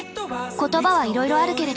言葉はいろいろあるけれど。